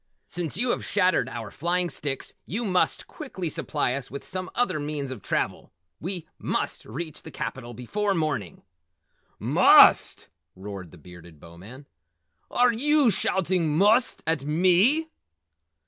Since you have shattered our flying sticks you must quickly supply us with some other means of travel. We must reach the capital before morning!" "MUST!" roared the Bearded Bowman. "Are yew shouting 'must' at ME?"